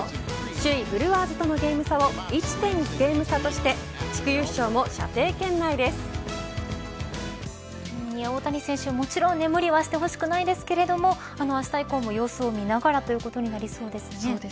首位ブルワーズとのゲーム差を１．５ゲーム差として大谷選手、もちろん無理はして欲しくないですけれどもあした以降も様子を見ながらそうですね。